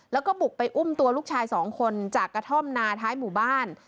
แล้วก็บุกไปอุ้มตัวลูกชายสองคนจากกระท่อมนาท้ายหมู่บ้าน